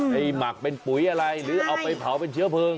หมักเป็นปุ๋ยอะไรหรือเอาไปเผาเป็นเชื้อเพลิง